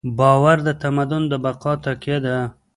باور د تمدن د بقا تکیه ده.